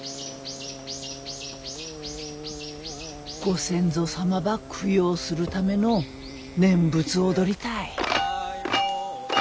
ご先祖様ば供養するための念仏踊りたい。